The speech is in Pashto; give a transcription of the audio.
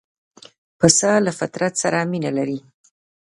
پسه له فطرت سره مینه لري.